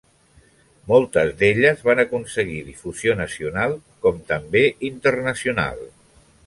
Moltes d'elles van aconseguir difusió nacional com també internacional.